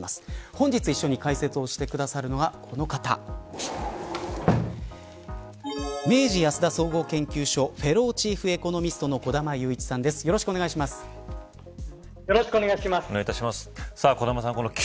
本日、一緒に解説をしてくださるのは、この方明治安田総合研究所フェローチーフエコノミストの小玉祐一さんです。